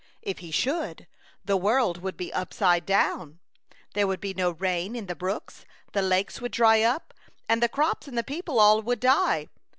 If he should, the world would be upside down. There would be no rain in the brooks, the lakes would dry up, and the crops and the people all would die.